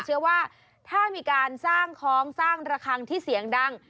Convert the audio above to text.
เชื่อว่าถ้ามีการสร้างคล้องสร้างระคังที่เสียงดัง